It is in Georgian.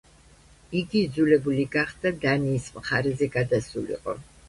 იგი იძულებული გახდა დანიის მხარეზე გადასულიყო.